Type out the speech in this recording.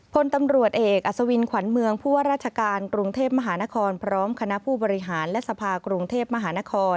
พลตำรวจเอกอัศวินขวัญเมืองผู้ว่าราชการกรุงเทพมหานครพร้อมคณะผู้บริหารและสภากรุงเทพมหานคร